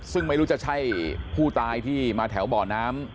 ซึ่งไม่รู้จะใช่ผู้ตายที่มาแถวบ่อน้ำ